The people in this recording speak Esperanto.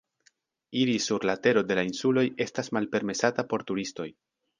Iri sur la tero de la insuloj estas malpermesata por turistoj.